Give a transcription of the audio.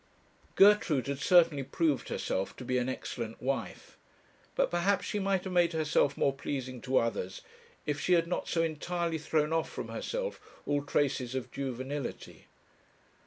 Gertrude had certainly proved herself to be an excellent wife; but perhaps she might have made herself more pleasing to others if she had not so entirely thrown off from herself all traces of juvenility.